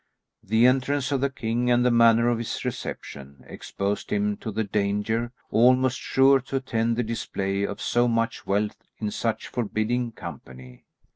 The entrance of the king and the manner of his reception exposed him to the danger almost sure to attend the display of so much wealth in such forbidding company.